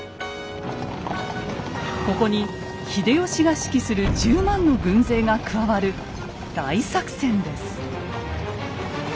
ここに秀吉が指揮する１０万の軍勢が加わる大作戦です。